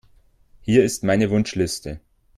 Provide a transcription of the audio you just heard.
Hier ist meine Wunschliste.